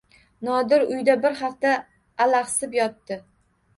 Nodir uyda bir hafta alahsib yotdi.